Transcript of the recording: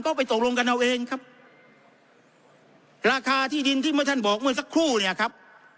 ก็ไปตกลงกันเอาเองครับราคาที่ดินที่เมื่อท่านบอกเมื่อสักครู่เนี่ยครับ